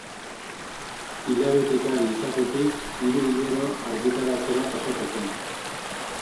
Hilabetekari izatetik hiru hilero argitaratzera pasatu zen.